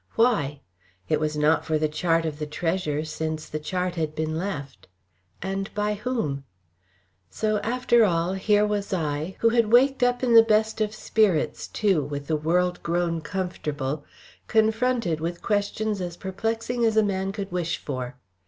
Why? It was not for the chart of the treasure, since the chart had been left. And by whom? So after all, here was I, who had waked up in the best of spirits too, with the world grown comfortable, confronted with questions as perplexing as a man could wish for.